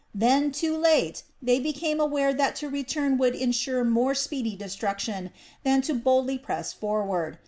Then, too late, they became aware that to return would ensure more speedy destruction than to boldly press forward.